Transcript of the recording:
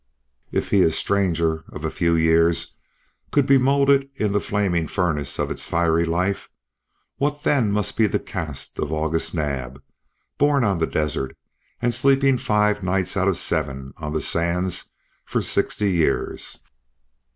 If he, a stranger of a few years, could be moulded in the flaming furnace of its fiery life, what then must be the cast of August Naab, born on the desert, and sleeping five nights out of seven on the sands for sixty years?